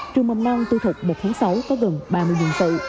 trường mầm nong tư thực một tháng sáu có gần ba mươi nhiệm vụ